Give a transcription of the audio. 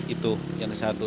itu yang satu